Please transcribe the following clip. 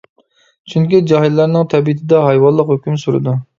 چۈنكى جاھىللارنىڭ تەبىئىتىدە ھايۋانلىق ھۆكۈم سۈرىدۇ.